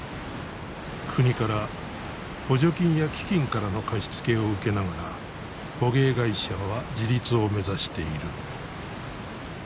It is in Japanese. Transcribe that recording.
国から補助金や基金からの貸し付けを受けながら捕鯨会社は自立を目指している。